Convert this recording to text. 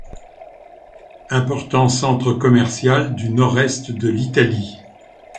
Important centre commercial du nord-est de l'Italie.